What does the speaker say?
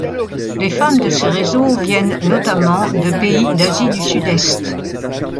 Les femmes de ces réseaux viennent notamment de pays d'Asie du Sud-Est.